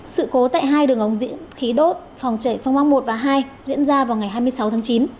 sự cố tại hai đường ống khí đốt phòng chảy phương án một và hai diễn ra vào ngày hai mươi sáu tháng chín